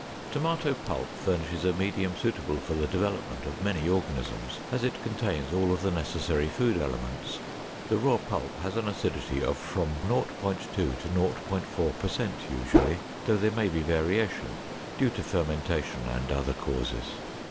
Tomato pulp furnishes a medium suitable for the development of many organisms, as it contains all of the necessary food elements. The raw pulp has an acidity of from 0.2 to 0.4 per cent usually, though there may be variation due to fermentation and other causes.